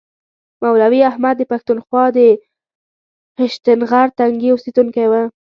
مولوي احمد د پښتونخوا د هشتنغر تنګي اوسیدونکی و.